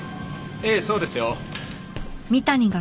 ええそうですよ。